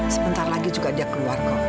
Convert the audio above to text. sebentar lagi juga dia keluar kok